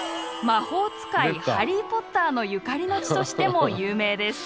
魔法使いハリー・ポッターのゆかりの地としても有名です。